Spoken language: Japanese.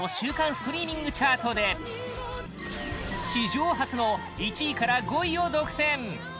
ストリーミングチャートで史上初の１位から５位を独占！